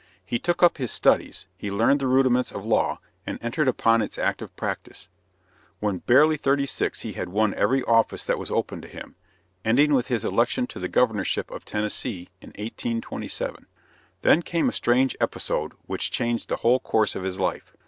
He took up his studies; he learned the rudiments of law and entered upon its active practice. When barely thirty six he had won every office that was open to him, ending with his election to the Governorship of Tennessee in 1827. Then came a strange episode which changed the whole course of his life.